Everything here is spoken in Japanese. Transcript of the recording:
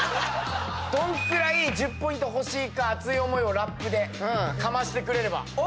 どんくらい１０ポイント欲しいか熱い思いをラップでかましてくれれば。